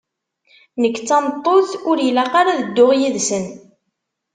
Nekk d tameṭṭut ur ilaq ara ad dduɣ yid-sen!